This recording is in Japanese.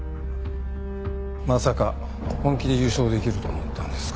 まさか本気で優勝できると思ったんですか？